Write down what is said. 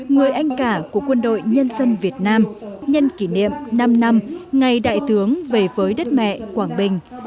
người anh cả của quân đội nhân dân việt nam nhân kỷ niệm năm năm ngày đại tướng về với đất mẹ quảng bình